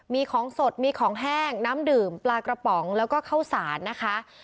มีของสดมีของแห้งน้ำดื่มปลากระป๋องแล้วก็ข้าวสารนะคะ